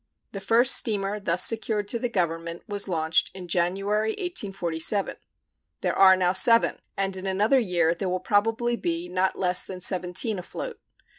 The first steamer thus secured to the Government was launched in January, 1847. There are now seven, and in another year there will probably be not less than seventeen afloat.